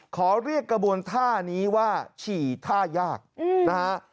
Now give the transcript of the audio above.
ขอเรียกกระบวนท่านี้ว่าฉี่ท่ายากนะฮะ